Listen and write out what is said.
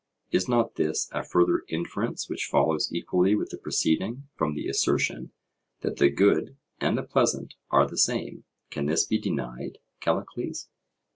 —is not this a further inference which follows equally with the preceding from the assertion that the good and the pleasant are the same:—can this be denied, Callicles?